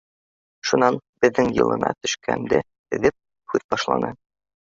Шунан, беҙҙең йылына төшкәнде һиҙеп, һүҙ башланы: